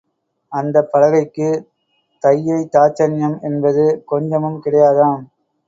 அந்தப் பலகைக்குத் தயை தாட்சண்யம் என்பது கொஞ்சமும் கிடையாதாம்.